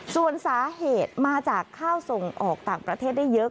ส่วนสาเหตุมาจากข้าวส่งออกต่างประเทศได้เยอะ